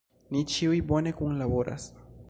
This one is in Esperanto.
Ni ĉiuj bone kunlaboras.